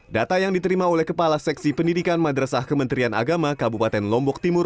data yang diterima oleh kepala seksi pendidikan madrasah kementerian agama kabupaten lombok timur